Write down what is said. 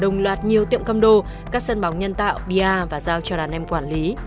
dùng loạt nhiều tiệm căm đô các sân bóng nhân tạo bia và giao cho đàn em quản lý